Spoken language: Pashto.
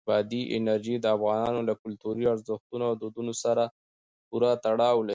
بادي انرژي د افغانانو له کلتوري ارزښتونو او دودونو سره پوره تړاو لري.